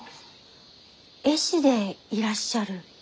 絵師でいらっしゃる？